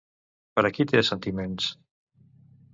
Per a qui té sentiments?